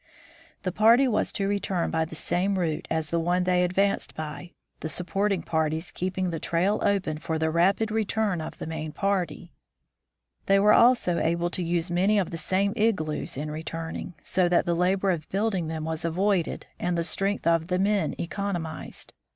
The party was to return by the same route as the one they advanced by, the supporting parties keeping the trail open for the rapid return of the main party. They were also THE DISCOVERY OF THE NORTH POLE 163 able to use many of the same igloos in returning, so that the labor of building them was avoided and the strength of the men economized.